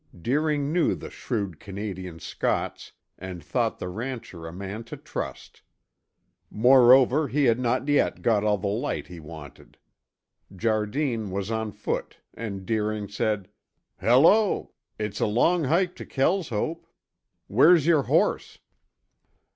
Deering knew the shrewd Canadian Scots and thought the rancher a man to trust. Moreover he had not yet got all the light he wanted. Jardine was on foot and Deering said, "Hello! It's a long hike to Kelshope. Where's your horse?"